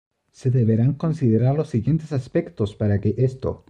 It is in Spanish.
Se deberán considerar los siguientes aspectos para que esto.